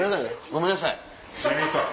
ごめんなさい。